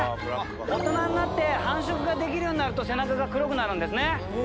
大人になって、繁殖ができるようになると、背中が黒くなるんですね。